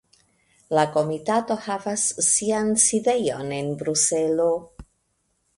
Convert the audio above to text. La komitato havas sian sidejon en Bruselo.